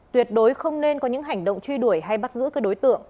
tuyệt đối không nên có những hành động truy đuổi hay bắt giữ các đối tượng